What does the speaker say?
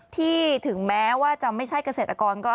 ถึงแม้ว่าจะไม่ใช่เกษตรกรก็